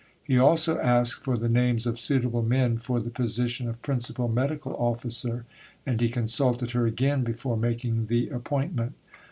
He also asked for the names of suitable men for the position of Principal Medical Officer, and he consulted her again before making the appointment.